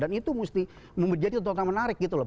dan itu mesti menjadi tontonan menarik gitu loh